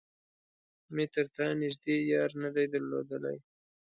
مې تر تا نږدې يار نه دی درلودلی.